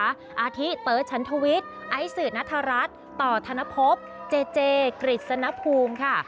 อาทิเติร์ดชันทวิทย์ไอซืดนัทรัศน์ต่อธนภพเจเจกริจสนภูมิค่ะ